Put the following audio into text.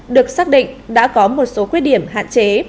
được xác định đã có một số khuyết điểm hạn chế